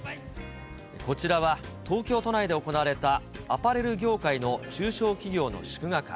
こちらは、東京都内で行われたアパレル業界の中小企業の祝賀会。